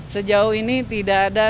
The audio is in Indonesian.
sejauh ini tidak ada